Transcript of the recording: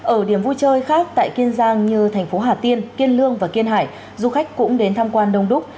ở điểm vui chơi khác tại kiên giang như thành phố hà tiên kiên lương và kiên hải du khách cũng đến tham quan đông đúc